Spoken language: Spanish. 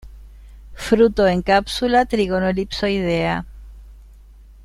Fruto en cápsula trígono-elipsoidea.